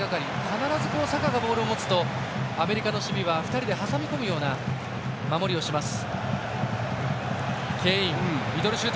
必ずサカがボールを持つとアメリカの守備は２人で挟み込むような守りをします。